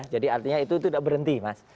jadi artinya itu tidak berhenti mas